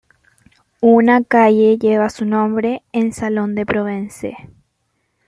Una calle lleva su nombre en Salon de Provence.